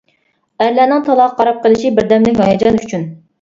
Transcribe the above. ئەرلەرنىڭ تالاغا قاراپ قېلىشى بىردەملىك ھاياجان ئۈچۈن.